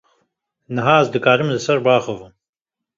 Niha, ez dikarim li ser biaxivim.